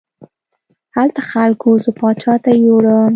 هلته خلکو زه پاچا ته یووړم.